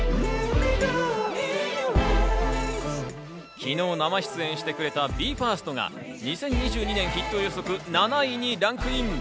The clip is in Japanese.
昨日、生出演してくれたＢＥ：ＦＩＲＳＴが２０２２年ヒット予測７位にランクイン。